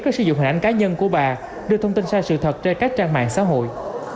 các sử dụng hình ảnh cá nhân của bà đưa thông tin sai sự thật trên các trang mạng xã hội